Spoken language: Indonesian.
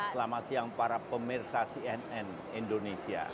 selamat siang para pemirsa cnn indonesia